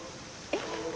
えっ。